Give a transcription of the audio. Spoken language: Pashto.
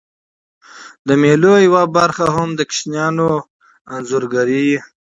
د مېلو یوه برخه هم د کوچنيانو انځورګرۍ يي.